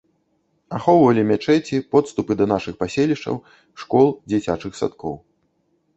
Ахоўвалі мячэці, подступы да нашых паселішчаў, школ, дзіцячых садкоў.